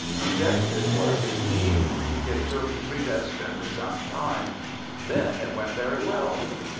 Dejected was his mien. It took "Predestined" some time. Then it went very well.